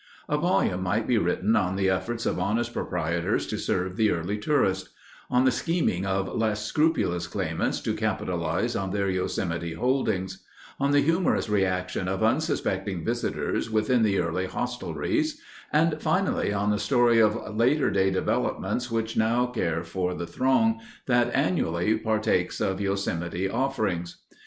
A volume might be written on the efforts of honest proprietors to serve the early tourist; on the scheming of less scrupulous claimants to capitalize on their Yosemite holdings; on the humorous reaction of unsuspecting visitors within the early hostelries; and, finally, on the story of later day developments which now care for the throng that, annually, partakes of Yosemite offerings.